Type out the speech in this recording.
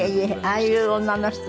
ああいう女の人